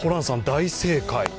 大正解。